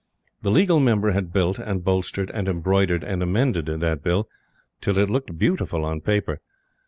The Legal Member had built, and bolstered, and embroidered, and amended that Bill, till it looked beautiful on paper.